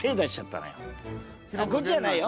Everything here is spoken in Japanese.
あっこっちじゃないよ。